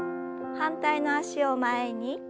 反対の脚を前に。